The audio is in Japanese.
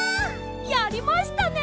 やりましたね！